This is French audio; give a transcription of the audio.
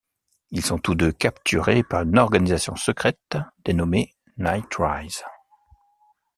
Ils sont tous deux capturés par une organisation secrète dénommée Nightrise.